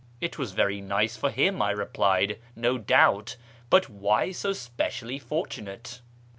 " It was very nice for him," I replied, " no doubt. But why so specially fortunate